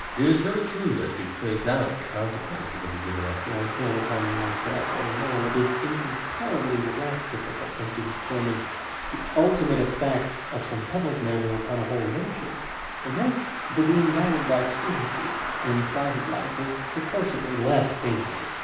It is very true, that to trace out the consequences a given act will entail upon oneself or another, is incomparably less difficult than to deter mine the ultimate effects of some public measure upon a whole nation ; and hence the being guided by expediency in private life is proportionably less dangerous.